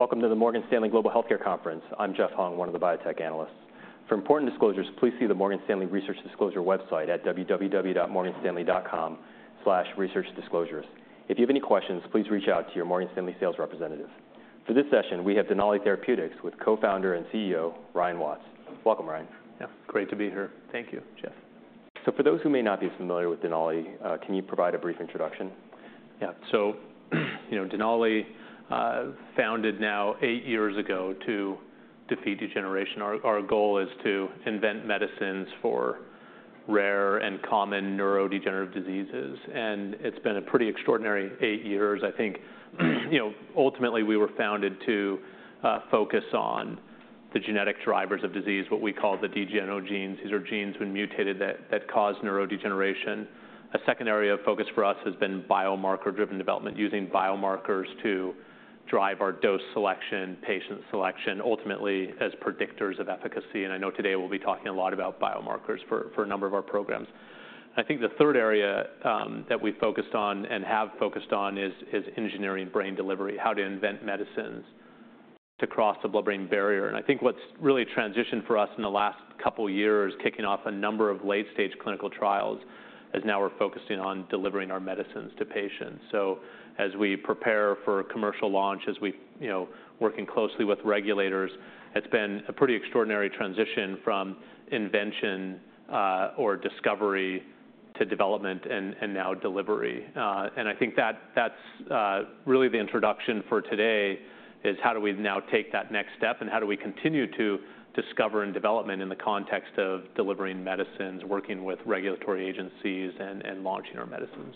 Welcome to the Morgan Stanley Global Healthcare Conference. I'm Jeffrey Hung, one of the Biotech Analysts. For important disclosures, please see the Morgan Stanley Research Disclosure Website at www.morganstanley.com/researchdisclosures. If you have any questions, please reach out to your Morgan Stanley sales representative. For this session, we have Denali Therapeutics with co-founder and CEO; Ryan Watts. Welcome, Ryan. Yeah, great to be here. Thank you, Jeff. For those who may not be familiar with Denali, can you provide a brief introduction? Yeah. So, you know, Denali, founded now eight years ago to defeat degeneration. Our goal is to invent medicines for rare and common neurodegenerative diseases, and it's been a pretty extraordinary eight years. I think, you know, ultimately, we were founded to focus on the genetic drivers of disease, what we call the degen genes. These are genes, when mutated, that cause neurodegeneration. A second area of focus for us has been biomarker-driven development, using biomarkers to drive our dose selection, patient selection, ultimately as predictors of efficacy, and I know today we'll be talking a lot about biomarkers for a number of our programs. I think the third area that we've focused on and have focused on is engineering brain delivery, how to invent medicines to cross the blood-brain barrier. I think what's really transitioned for us in the last couple of years, kicking off a number of late-stage clinical trials, is now we're focusing on delivering our medicines to patients. So as we prepare for a commercial launch, as we, you know, working closely with regulators, it's been a pretty extraordinary transition from invention, or discovery to development, and, and now delivery. And I think that, that's really the introduction for today is: how do we now take that next step, and how do we continue to discover and development in the context of delivering medicines, working with regulatory agencies, and, and launching our medicines?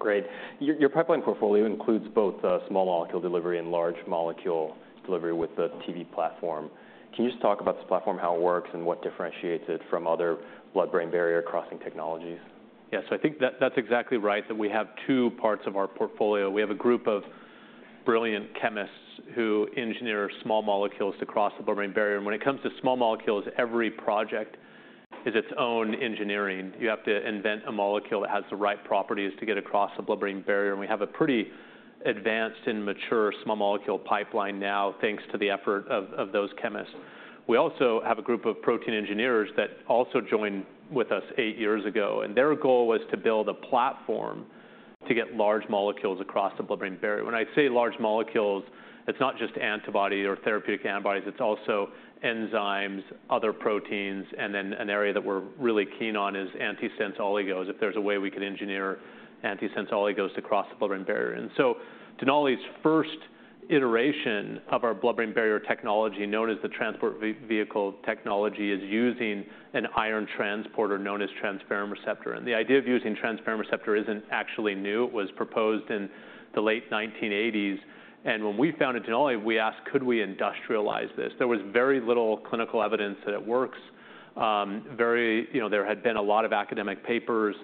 Great. Your, your pipeline portfolio includes both, small molecule delivery and large molecule delivery with the TV platform. Can you just talk about this platform, how it works, and what differentiates it from other blood-brain barrier crossing technologies? Yes, I think that's exactly right, that we have two parts of our portfolio. We have a group of brilliant chemists who engineer small molecules to cross the blood-brain barrier, and when it comes to small molecules, every project is its own engineering. You have to invent a molecule that has the right properties to get across the blood-brain barrier, and we have a pretty advanced and mature small molecule pipeline now, thanks to the effort of, of those chemists. We also have a group of protein engineers that also joined with us eight years ago, and their goal was to build a platform to get large molecules across the blood-brain barrier. When I say large molecules, it's not just antibody or therapeutic antibodies, it's also enzymes, other proteins, and then an area that we're really keen on is antisense oligos, if there's a way we could engineer antisense oligos to cross the blood-brain barrier. So Denali's first iteration of our blood-brain barrier technology, known as the Transport Vehicle technology, is using an iron transporter known as Transferrin Receptor. The idea of using Transferrin Receptor isn't actually new. It was proposed in the late 1980s, and when we founded Denali, we asked: Could we industrialize this? There was very little clinical evidence that it works. You know, there had been a lot of academic papers,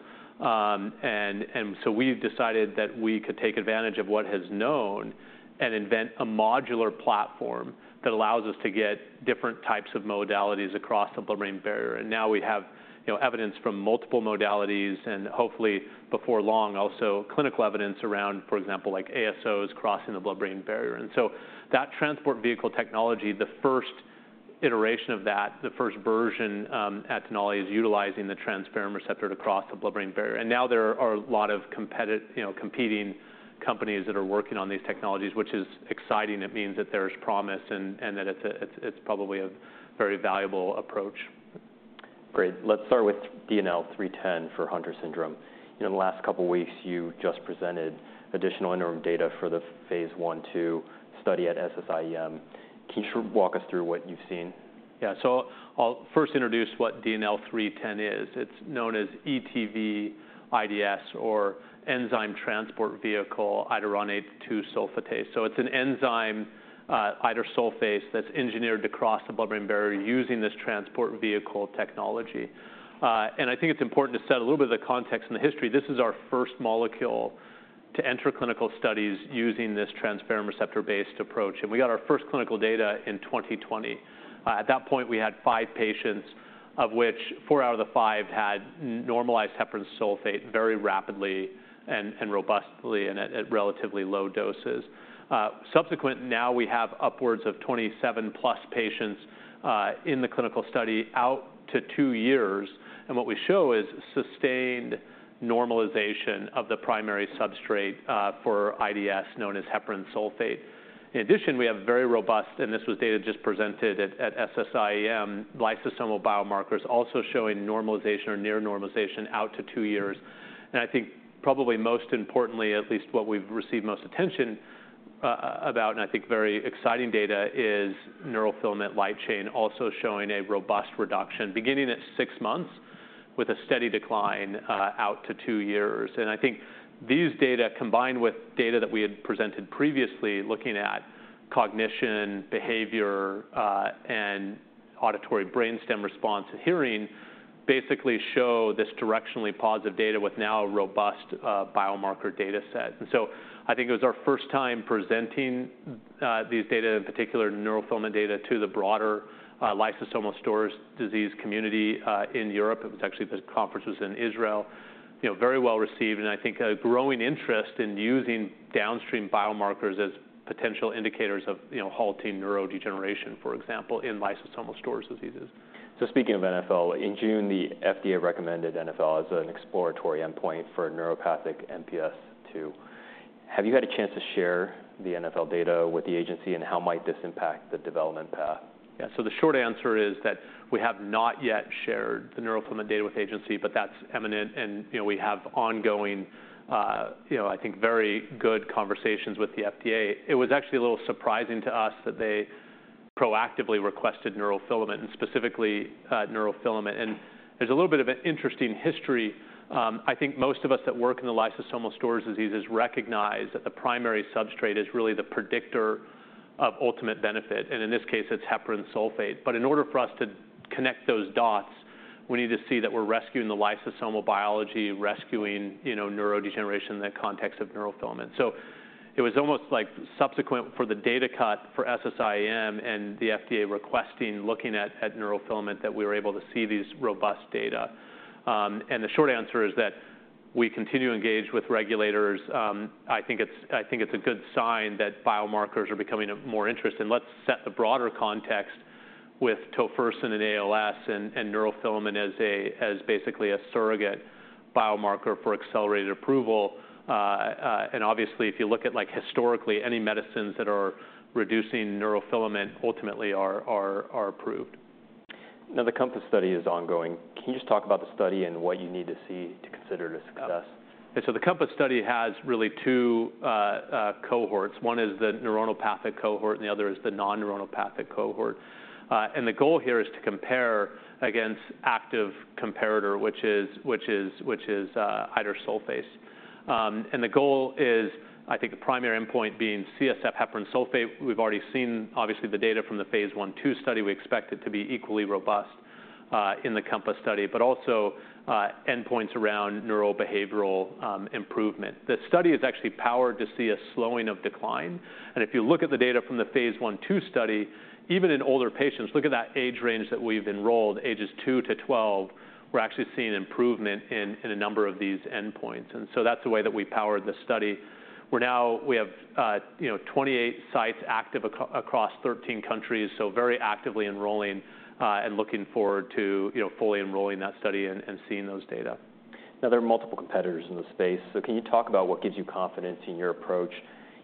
and so we've decided that we could take advantage of what is known and invent a modular platform that allows us to get different types of modalities across the blood-brain barrier. And now we have, you know, evidence from multiple modalities, and hopefully before long, also clinical evidence around, for example, like ASOs crossing the blood-brain barrier. And so that Transport Vehicle technology, the first iteration of that, the first version, at Denali, is utilizing the transferrin receptor to cross the blood-brain barrier. And now there are a lot of competing companies that are working on these technologies, which is exciting. It means that there's promise and that it's probably a very valuable approach. Great. Let's start with DNL310 for Hunter syndrome. In the last couple of weeks, you just presented additional interim data for the phase I/II study at SSIEM. Can you walk us through what you've seen? Yeah. So I'll first introduce what DNL310 is. It's known as ETV:IDS or enzyme transport vehicle iduronate-2-sulfatase. So it's an enzyme, idursulfase, that's engineered to cross the blood-brain barrier using this transport vehicle technology. And I think it's important to set a little bit of the context in the history. This is our first molecule to enter clinical studies using this transferrin receptor-based approach, and we got our first clinical data in 2020. At that point, we had five patients, of which four out of the five had normalized heparan sulfate very rapidly and robustly and at relatively low doses. Subsequently, now we have upwards of 27+ patients in the clinical study out to two years, and what we show is sustained normalization of the primary substrate for IDS, known as heparan sulfate. In addition, we have very robust, and this was data just presented at SSIEM, lysosomal biomarkers also showing normalization or near normalization out to two years. I think probably most importantly, at least what we've received most attention about, and I think very exciting data, is neurofilament light chain also showing a robust reduction, beginning at six months, with a steady decline out to two years. I think these data, combined with data that we had presented previously, looking at cognition, behavior, and auditory brainstem response basically show this directionally positive data with now a robust biomarker data set. So I think it was our first time presenting these data, in particular, neurofilament data, to the broader lysosomal storage disease community in Europe. It was actually the conference was in Israel, you know, very well received, and I think a growing interest in using downstream biomarkers as potential indicators of, you know, halting neurodegeneration, for example, in lysosomal storage diseases. Speaking of NfL, in June, the FDA recommended NfL as an exploratory endpoint for neuronopathic MPS II. Have you had a chance to share the NfL data with the agency, and how might this impact the development path? Yeah, so the short answer is that we have not yet shared the neurofilament data with the agency, but that's imminent, and, you know, we have ongoing, you know, I think, very good conversations with the FDA. It was actually a little surprising to us that they proactively requested neurofilament, and specifically, neurofilament. And there's a little bit of an interesting history. I think most of us that work in the lysosomal storage diseases recognize that the primary substrate is really the predictor of ultimate benefit, and in this case, it's heparan sulfate. But in order for us to connect those dots, we need to see that we're rescuing the lysosomal biology, rescuing, you know, neurodegeneration in the context of neurofilament. So it was almost like subsequent for the data cut for SSIEM and the FDA requesting, looking at, at neurofilament, that we were able to see these robust data. And the short answer is that we continue to engage with regulators. I think it's, I think it's a good sign that biomarkers are becoming of more interest, and let's set the broader context with tofersen and ALS and, and neurofilament as a- as basically a surrogate biomarker for accelerated approval. And obviously, if you look at, like, historically, any medicines that are reducing neurofilament ultimately are, are, are approved. Now, the COMPASS Study is ongoing. Can you just talk about the study and what you need to see to consider it a success? So the COMPASS study has really two cohorts. One is the neuronopathic cohort, and the other is the non-neuronopathic cohort. And the goal here is to compare against active comparator, which is idursulfase. And the goal is, I think, the primary endpoint being CSF heparan sulfate. We've already seen, obviously, the data from the phase I/II study. We expect it to be equally robust in the COMPASS study, but also endpoints around neurobehavioral improvement. The study is actually powered to see a slowing of decline, and if you look at the data from the phase I/II study, even in older patients, look at that age range that we've enrolled, ages two-12, we're actually seeing improvement in a number of these endpoints, and so that's the way that we powered the study. We're now... We have, you know, 28 sites active across 13 countries, so very actively enrolling, and looking forward to, you know, fully enrolling that study and seeing those data. Now, there are multiple competitors in this space, so can you talk about what gives you confidence in your approach?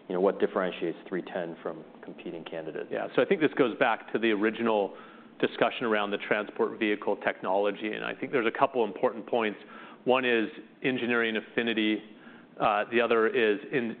You know, what differentiates DNL310 from competing candidates? Yeah, so I think this goes back to the original discussion around the Transport Vehicle technology, and I think there's a couple important points. One is engineering affinity. The other is in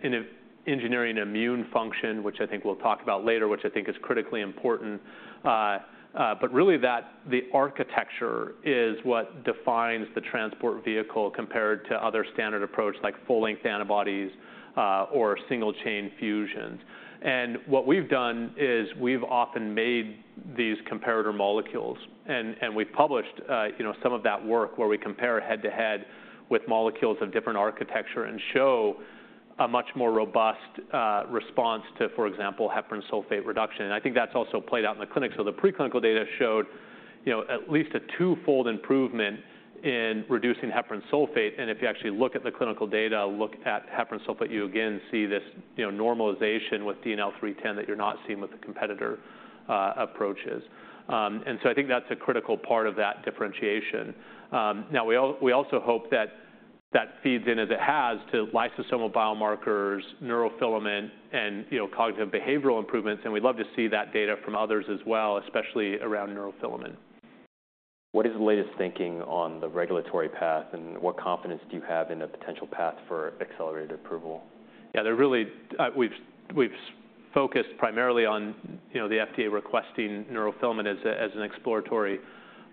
engineering immune function, which I think we'll talk about later, which I think is critically important. But really that the architecture is what defines the Transport Vehicle compared to other standard approach, like full-length antibodies, or single-chain fusions. And what we've done is we've often made these comparator molecules, and we've published, you know, some of that work where we compare head-to-head with molecules of different architecture and show a much more robust response to, for example, heparan sulfate reduction. And I think that's also played out in the clinic. So the preclinical data showed, you know, at least a twofold improvement in reducing heparan sulfate, and if you actually look at the clinical data, look at heparan sulfate, you again see this, you know, normalization with DNL310 that you're not seeing with the competitor approaches. And so I think that's a critical part of that differentiation. Now, we also hope that that feeds in, as it has, to lysosomal biomarkers, neurofilament, and, you know, cognitive behavioral improvements, and we'd love to see that data from others as well, especially around neurofilament. What is the latest thinking on the regulatory path, and what confidence do you have in a potential path for accelerated approval? Yeah, we've focused primarily on, you know, the FDA requesting neurofilament as an exploratory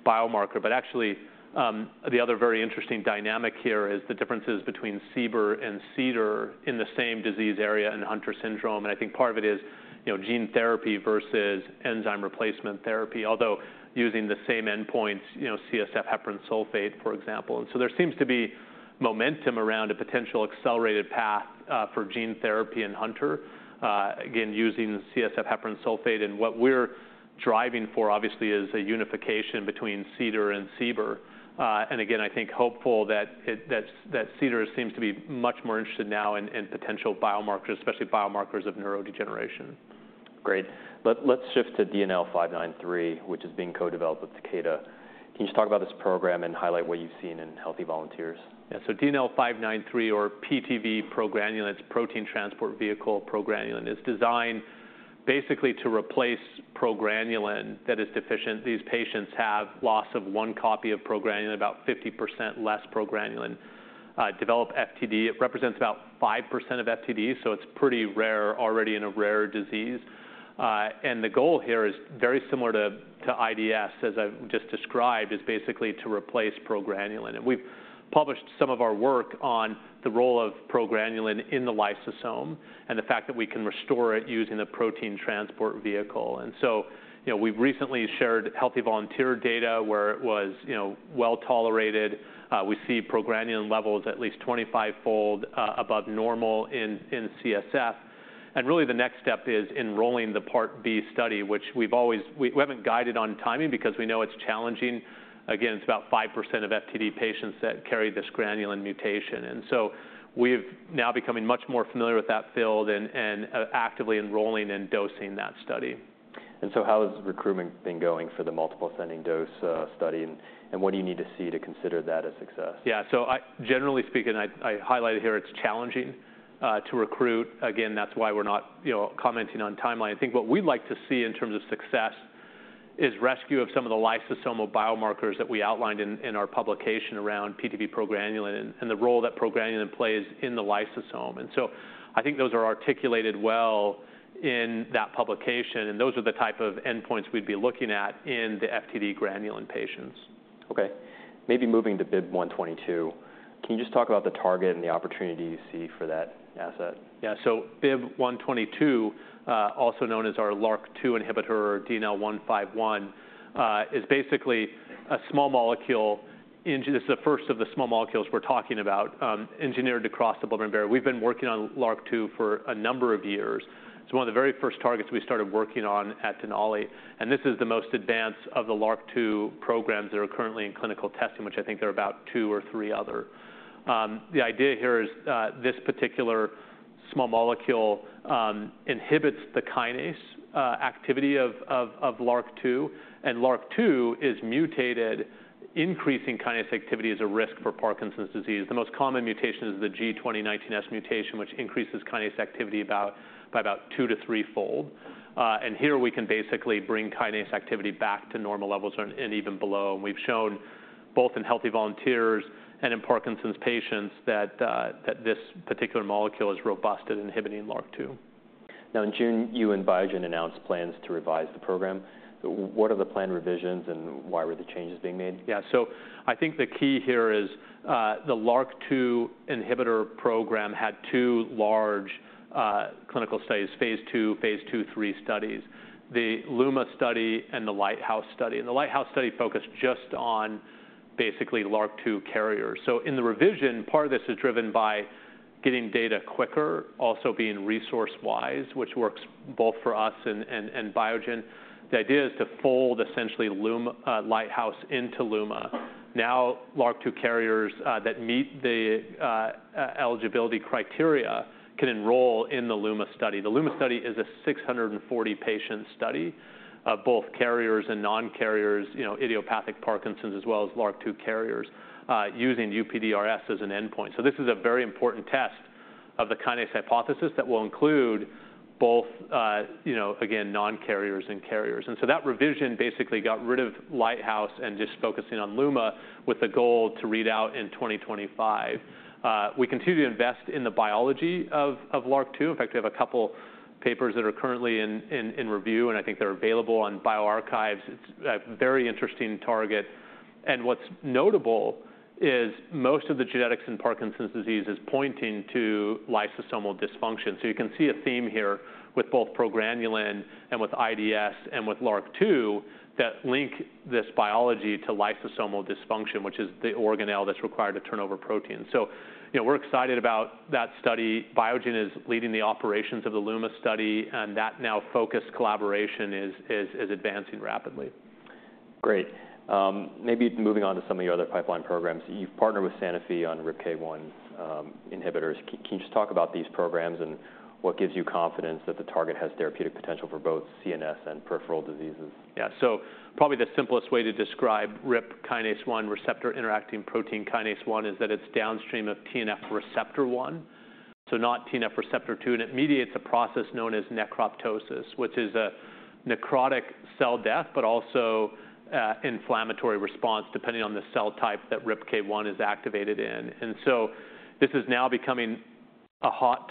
biomarker. But actually, the other very interesting dynamic here is the differences between CBER and CDER in the same disease area in Hunter syndrome, and I think part of it is, you know, gene therapy versus enzyme replacement therapy, although using the same endpoints, you know, CSF heparan sulfate, for example. And so there seems to be momentum around a potential accelerated path for gene therapy in Hunter, again, using CSF heparan sulfate. And what we're driving for, obviously, is a unification between CDER and CBER. And again, I think hopeful that CDER seems to be much more interested now in potential biomarkers, especially biomarkers of neurodegeneration. Great. Let's shift to DNL593, which is being co-developed with Takeda. Can you just talk about this program and highlight what you've seen in healthy volunteers? Yeah, so DNL593 or PTV progranulin, it's protein transport vehicle progranulin, is designed basically to replace progranulin that is deficient. These patients have loss of one copy of progranulin, about 50% less progranulin, develop FTD. It represents about 5% of FTD, so it's pretty rare already in a rare disease. And the goal here is very similar to, to IDS, as I've just described, is basically to replace progranulin. And we've published some of our work on the role of progranulin in the lysosome and the fact that we can restore it using a protein transport vehicle. And so, you know, we've recently shared healthy volunteer data where it was, you know, well-tolerated. We see progranulin levels at least 25-fold above normal in CSF. And really, the next step is enrolling the Part B study, which we haven't guided on timing because we know it's challenging. Again, it's about 5% of FTD patients that carry this granulin mutation, and so we've now becoming much more familiar with that field and actively enrolling and dosing that study. And so how has recruitment been going for the multiple ascending dose study, and what do you need to see to consider that a success? Yeah, generally speaking, and I highlighted here, it's challenging to recruit. Again, that's why we're not, you know, commenting on timeline. I think what we'd like to see in terms of success is rescue of some of the lysosomal biomarkers that we outlined in our publication around PTV progranulin and the role that progranulin plays in the lysosome. So I think those are articulated well in that publication, and those are the type of endpoints we'd be looking at in the FTD granulin patients. Okay. Maybe moving to BIIB122, can you just talk about the target and the opportunity you see for that asset? Yeah, so BIIB122, also known as our LRRK2 inhibitor or DNL151, is basically a small molecule. This is the first of the small molecules we're talking about, engineered to cross the blood-brain barrier. We've been working on LRRK2 for a number of years. It's one of the very first targets we started working on at Denali, and this is the most advanced of the LRRK2 programs that are currently in clinical testing, which I think there are about two or three other. The idea here is, this particular small molecule, inhibits the kinase activity of LRRK2, and LRRK2 is mutated, increasing kinase activity as a risk for Parkinson's disease. The most common mutation is the G2019S mutation, which increases kinase activity by about two to threefold. Here we can basically bring kinase activity back to normal levels and even below. We've shown both in healthy volunteers and in Parkinson's patients that this particular molecule is robust at inhibiting LRRK2. Now, in June, you and Biogen announced plans to revise the program. What are the planned revisions, and why were the changes being made? Yeah, so I think the key here is, the LRRK2 inhibitor program had two large, clinical studies, phase II, phase II/III studies: the LUMA study and the LIGHTHOUSE study. And the LIGHTHOUSE study focused just on basically LRRK2 carriers. So in the revision, part of this is driven by getting data quicker, also being resource-wise, which works both for us and Biogen. The idea is to fold essentially LUM-LIGHTHOUSE into LUMA. Now, LRRK2 carriers, that meet the, eligibility criteria can enroll in the LUMA study. The LUMA study is a 640-patient study, of both carriers and non-carriers, you know, idiopathic Parkinson's, as well as LRRK2 carriers, using UPDRS as an endpoint. So this is a very important test of the kinase hypothesis that will include both, you know, again, non-carriers and carriers. And so that revision basically got rid of LIGHTHOUSE and just focusing on LUMA with the goal to read out in 2025. We continue to invest in the biology of LRRK2. In fact, we have a couple papers that are currently in review, and I think they're available on bioRxiv. It's a very interesting target, and what's notable is most of the genetics in Parkinson's disease is pointing to lysosomal dysfunction. So you can see a theme here with both progranulin and with IDS and with LRRK2 that link this biology to lysosomal dysfunction, which is the organelle that's required to turn over proteins. So, you know, we're excited about that study. Biogen is leading the operations of the LUMA study, and that now focused collaboration is advancing rapidly. Great. Maybe moving on to some of your other pipeline programs. You've partnered with Sanofi on RIPK1 inhibitors. Can you just talk about these programs and what gives you confidence that the target has therapeutic potential for both CNS and peripheral diseases? Yeah. So probably the simplest way to describe RIP kinase 1, receptor-interacting protein kinase 1, is that it's downstream of TNF receptor 1, so not TNF receptor 2, and it mediates a process known as necroptosis, which is a necrotic cell death, but also inflammatory response, depending on the cell type that RIPK1 is activated in. And so this is now becoming a hot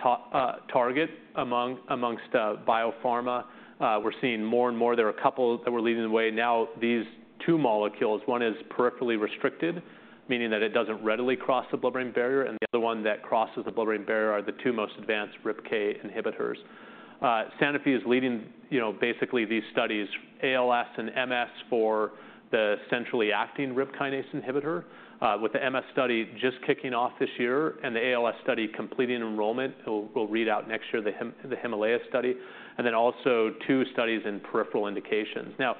target amongst biopharma. We're seeing more and more. There are a couple that we're leading the way. Now, these two molecules, one is peripherally restricted, meaning that it doesn't readily cross the blood-brain barrier, and the other one that crosses the blood-brain barrier are the two most advanced RIPK inhibitors. Sanofi is leading, you know, basically these studies, ALS and MS, for the centrally acting RIP kinase inhibitor, with the MS study just kicking off this year and the ALS study completing enrollment. We'll read out next year, the HIMALAYA study, and then also two studies in peripheral indications. Now,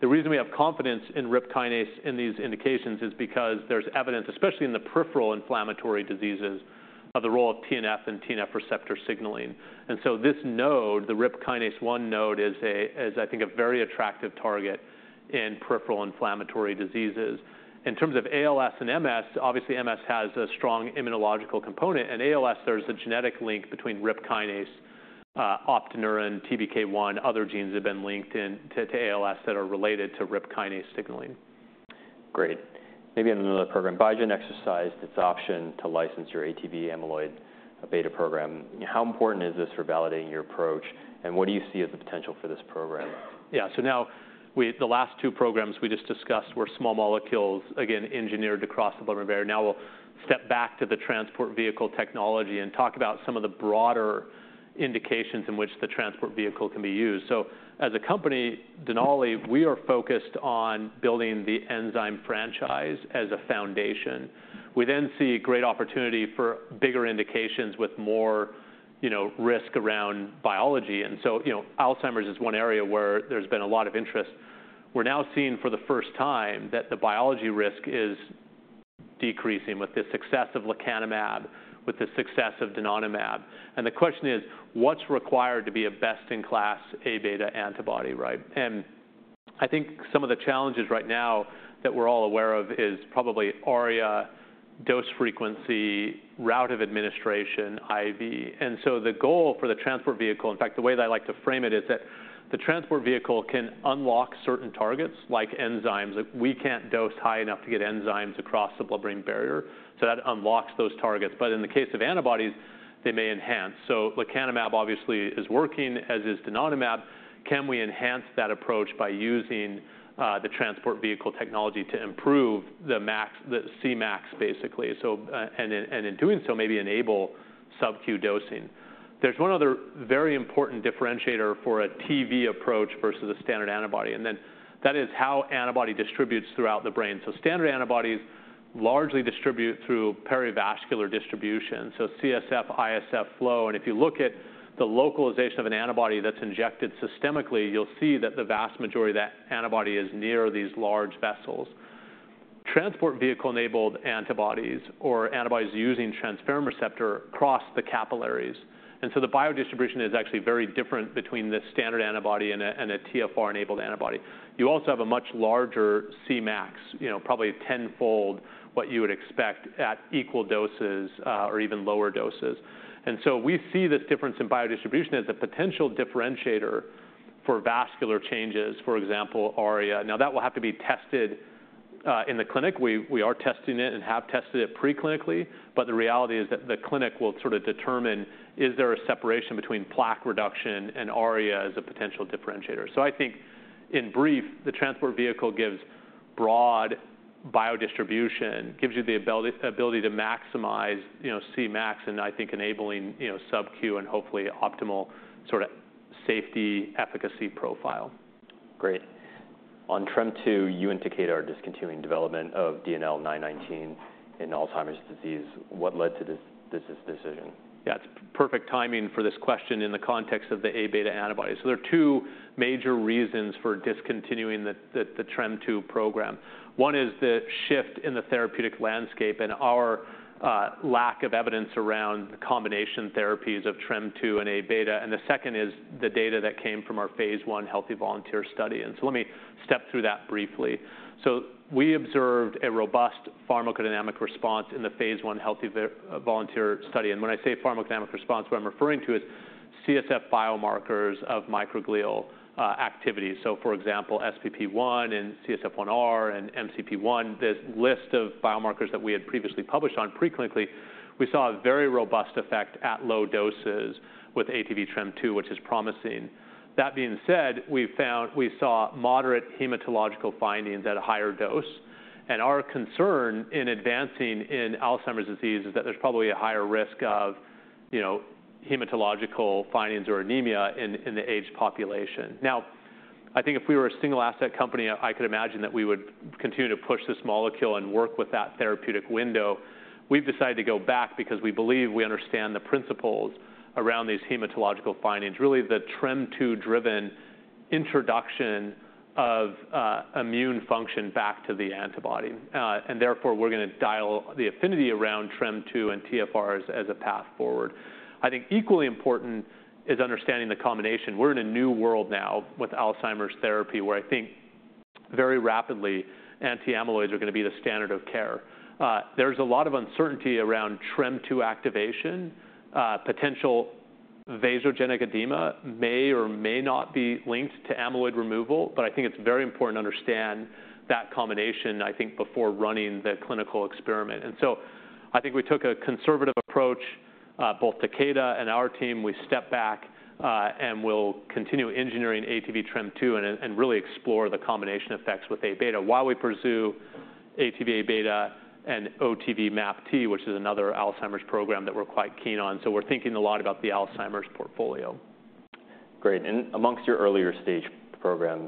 the reason we have confidence in RIP kinase in these indications is because there's evidence, especially in the peripheral inflammatory diseases, of the role of TNF and TNF receptor signaling. And so this node, the RIP kinase 1 node, is, I think, a very attractive target in peripheral inflammatory diseases. In terms of ALS and MS, obviously, MS has a strong immunological component, and ALS, there is a genetic link between RIP kinase, optineurin, TBK1, other genes have been linked to ALS that are related to RIP kinase signaling. Great. Maybe on another program, Biogen exercised its option to license your ATV amyloid beta program. How important is this for validating your approach, and what do you see as the potential for this program? Yeah, so now, the last two programs we just discussed were small molecules, again, engineered to cross the blood-brain barrier. Now we'll step back to the transport vehicle technology and talk about some of the broader indications in which the transport vehicle can be used. So as a company, Denali, we are focused on building the enzyme franchise as a foundation. We then see great opportunity for bigger indications with more, you know, risk around biology, and so, you know, Alzheimer's is one area where there's been a lot of interest. We're now seeing for the first time that the biology risk is decreasing with the success of lecanemab, with the success of donanemab. And the question is, what's required to be a best-in-class A-beta antibody, right? And I think some of the challenges right now that we're all aware of is probably ARIA, dose frequency, route of administration, IV. And so the goal for the transport vehicle, in fact, the way that I like to frame it is that the transport vehicle can unlock certain targets, like enzymes. We can't dose high enough to get enzymes across the blood-brain barrier, so that unlocks those targets. But in the case of antibodies, they may enhance. So lecanemab obviously is working, as is donanemab. Can we enhance that approach by using the transport vehicle technology to improve the Cmax, basically? So, and in doing so, maybe enable sub-Q dosing. There's one other very important differentiator for a TV approach versus a standard antibody, and then that is how antibody distributes throughout the brain. Standard antibodies largely distribute through perivascular distribution, so CSF, ISF flow. If you look at the localization of an antibody that's injected systemically, you'll see that the vast majority of that antibody is near these large vessels. Transport vehicle-enabled antibodies or antibodies using transferrin receptor cross the capillaries, and so the biodistribution is actually very different between the standard antibody and a TfR-enabled antibody. You also have a much larger Cmax, you know, probably tenfold what you would expect at equal doses, or even lower doses. We see this difference in biodistribution as a potential differentiator for vascular changes, for example, ARIA. Now, that will have to be tested in the clinic. We are testing it and have tested it preclinically, but the reality is that the clinic will sort of determine, is there a separation between plaque reduction and ARIA as a potential differentiator? So I think in brief, the transport vehicle gives broad biodistribution, gives you the ability to maximize, you know, Cmax, and I think enabling, you know, sub-Q and hopefully optimal sort of safety, efficacy profile. Great. On TREM2, you indicate are discontinuing development of DNL919 in Alzheimer's disease. What led to this, this decision? Yeah, it's perfect timing for this question in the context of the Aβ antibody. So there are two major reasons for discontinuing the TREM2 program. One is the shift in the therapeutic landscape and our lack of evidence around the combination therapies of TREM2 and Aβ, and the second is the data that came from our phase I healthy volunteer study. So let me step through that briefly. We observed a robust pharmacodynamic response in the phase 1 healthy volunteer study. When I say pharmacodynamic response, what I'm referring to is CSF biomarkers of microglial activities. So for example, SPP1 and CSF1R and MCP1, this list of biomarkers that we had previously published on preclinically, we saw a very robust effect at low doses with ATV-TREM2, which is promising. That being said, we saw moderate hematological findings at a higher dose, and our concern in advancing in Alzheimer's disease is that there's probably a higher risk of, you know, hematological findings or anemia in the aged population. Now, I think if we were a single-asset company, I could imagine that we would continue to push this molecule and work with that therapeutic window. We've decided to go back because we believe we understand the principles around these hematological findings, really the TREM2-driven introduction of immune function back to the antibody. And therefore, we're gonna dial the affinity around TREM2 and TfRs as a path forward. I think equally important is understanding the combination. We're in a new world now with Alzheimer's therapy, where I think very rapidly, anti-amyloids are gonna be the standard of care. There's a lot of uncertainty around TREM2 activation. Potential vasogenic edema may or may not be linked to amyloid removal, but I think it's very important to understand that combination, I think, before running the clinical experiment. I think we took a conservative approach. Both Takeda and our team, we stepped back, and we'll continue engineering ATV-TREM2 and really explore the combination effects with A-beta while we pursue ATV A-beta and OTV MAPT, which is another Alzheimer's program that we're quite keen on. We're thinking a lot about the Alzheimer's portfolio. Great. And amongst your earlier stage program,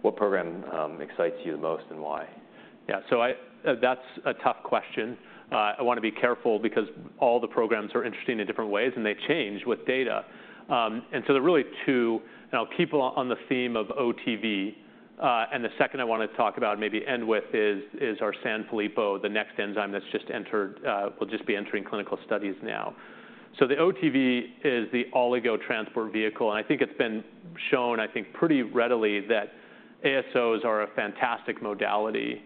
what program excites you the most, and why? Yeah, so that's a tough question. I want to be careful because all the programs are interesting in different ways, and they change with data. And so there are really two. And I'll keep on the theme of OTV, and the second I want to talk about and maybe end with is our Sanfilippo, the next enzyme that's just entered, will just be entering clinical studies now. So the OTV is the Oligo Transport Vehicle, and I think it's been shown, I think, pretty readily that ASOs are a fantastic modality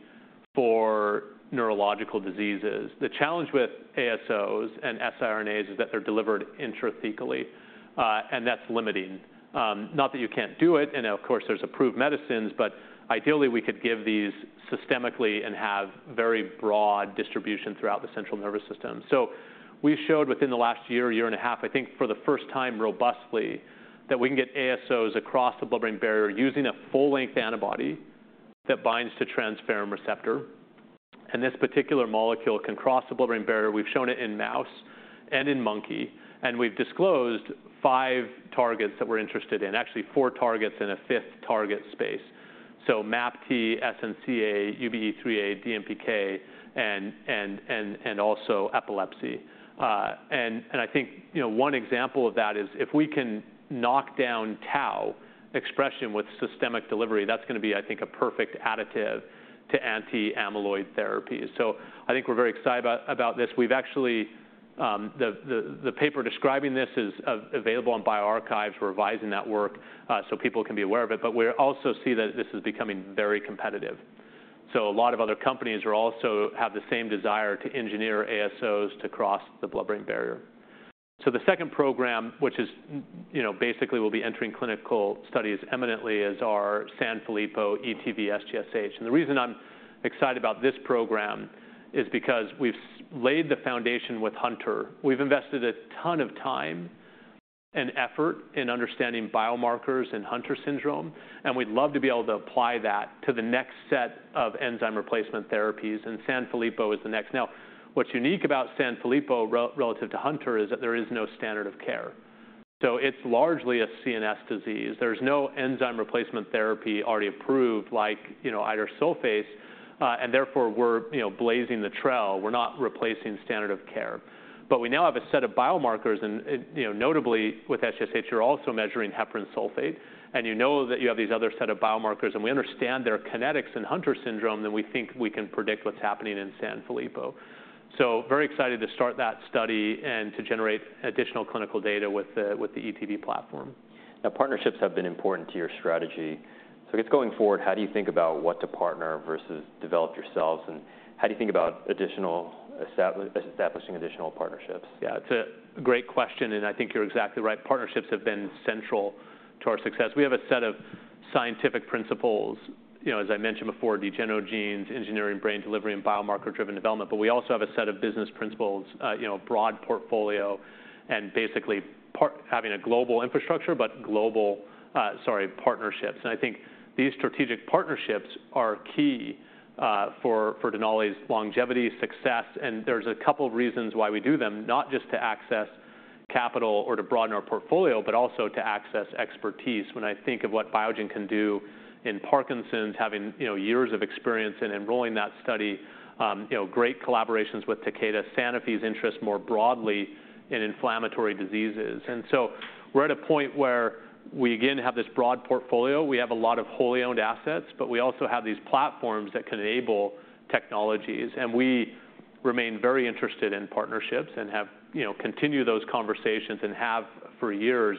for neurological diseases. The challenge with ASOs and siRNAs is that they're delivered intrathecally, and that's limiting. Not that you can't do it, and of course, there's approved medicines, but ideally, we could give these systemically and have very broad distribution throughout the central nervous system. So... We showed within the last year, year and a half, I think, for the first time, robustly, that we can get ASOs across the blood-brain barrier using a full-length antibody that binds to transferrin receptor. And this particular molecule can cross the blood-brain barrier. We've shown it in mouse and in monkey, and we've disclosed five targets that we're interested in. Actually, four targets and a fifth target space. So MAPT, SNCA, UBE3A, DMPK, and also epilepsy. And I think, you know, one example of that is if we can knock down tau expression with systemic delivery, that's gonna be, I think, a perfect additive to anti-amyloid therapies. So I think we're very excited about this. We've actually. The paper describing this is available on bioRxiv. We're revising that work, so people can be aware of it, but we're also seeing that this is becoming very competitive. So a lot of other companies are also having the same desire to engineer ASOs to cross the blood-brain barrier. So the second program, which is, you know, basically will be entering clinical studies imminently, is our Sanfilippo ETV:SGSH. And the reason I'm excited about this program is because we've laid the foundation with Hunter. We've invested a ton of time and effort in understanding biomarkers in Hunter syndrome, and we'd love to be able to apply that to the next set of enzyme replacement therapies, and Sanfilippo is the next. Now, what's unique about Sanfilippo relative to Hunter is that there is no standard of care. So it's largely a CNS disease. There's no enzyme replacement therapy already approved, like, you know, idursulfase, and therefore we're, you know, blazing the trail. We're not replacing standard of care. But we now have a set of biomarkers and, you know, notably with SGSH, you're also measuring heparan sulfate, and you know that you have these other set of biomarkers, and we understand their kinetics in Hunter syndrome, then we think we can predict what's happening in Sanfilippo. So very excited to start that study and to generate additional clinical data with the ETV platform. Now, partnerships have been important to your strategy, so I guess going forward, how do you think about what to partner versus develop yourselves, and how do you think about establishing additional partnerships? Yeah, it's a great question, and I think you're exactly right. Partnerships have been central to our success. We have a set of scientific principles, you know, as I mentioned before, degener genes, engineering, brain delivery, and biomarker-driven development. But we also have a set of business principles, you know, broad portfolio and basically part- having a global infrastructure, but global, partnerships. And I think these strategic partnerships are key, for, for Denali's longevity, success, and there's a couple of reasons why we do them, not just to access capital or to broaden our portfolio, but also to access expertise. When I think of what Biogen can do in Parkinson's, having, you know, years of experience in enrolling that study, you know, great collaborations with Takeda, Sanofi's interest more broadly in inflammatory diseases. We're at a point where we again have this broad portfolio. We have a lot of wholly owned assets, but we also have these platforms that can enable technologies, and we remain very interested in partnerships and have... You know, continue those conversations and have for years.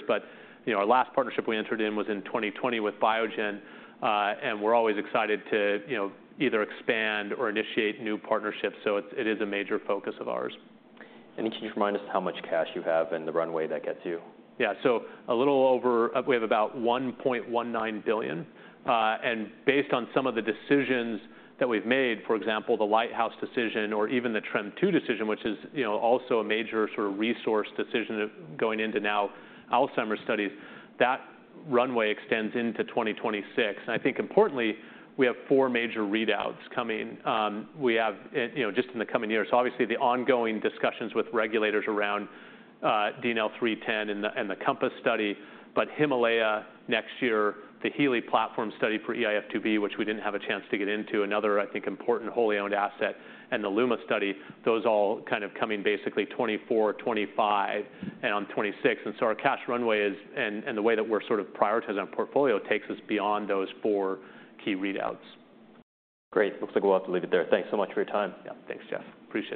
You know, our last partnership we entered in was in 2020 with Biogen, and we're always excited to, you know, either expand or initiate new partnerships, so it's, it is a major focus of ours. Can you just remind us how much cash you have and the runway that gets you? Yeah. So a little over, we have about $1.19 billion. And based on some of the decisions that we've made, for example, the LIGHTHOUSE decision or even the TREM2 decision, which is, you know, also a major sort of resource decision going into now Alzheimer's studies, that runway extends into 2026. And I think importantly, we have four major readouts coming. We have, and, you know, just in the coming years, so obviously the ongoing discussions with regulators around DNL310 and the COMPASS study, but HIMALAYA next year, the HEALEY Platform Study for eIF2B, which we didn't have a chance to get into, another, I think, important wholly owned asset, and the LUMA study, those all kind of coming basically 2024, 2025, and on 2026. And so our cash runway is, and the way that we're sort of prioritizing our portfolio takes us beyond those four key readouts. Great. Looks like we'll have to leave it there. Thanks so much for your time. Yeah. Thanks, Jeff. Appreciate it.